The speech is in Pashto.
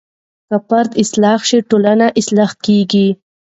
که فرد اصلاح شي ټولنه اصلاح کیږي.